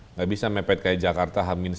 nggak bisa mepet kayak jakarta h satu